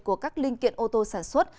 của các linh kiện ô tô sản xuất